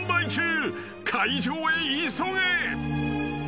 ［会場へ急げ］